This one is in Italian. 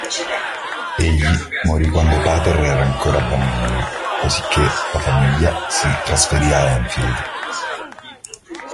Egli morì quando Pater era ancora bambino, cosicché la famiglia si trasferì a Enfield.